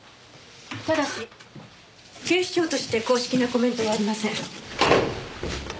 ただし警視庁として公式なコメントはありません。